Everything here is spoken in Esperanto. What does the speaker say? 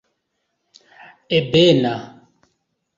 ebena